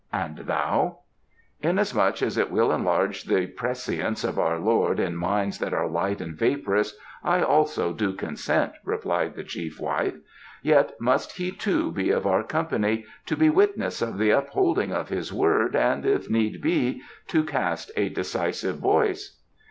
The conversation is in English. And thou?" "Inasmuch as it will enlarge the prescience of our lord in minds that are light and vaporous, I also do consent," replied the chief wife. "Yet must he too be of our company, to be witness of the upholding of his word and, if need be, to cast a decisive voice."